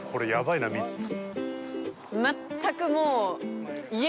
全くもう。